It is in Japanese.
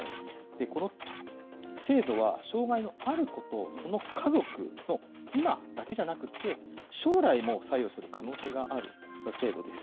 この制度は、障害のある子とその家族の今だけじゃなくて、将来も左右する可能性がある制度です。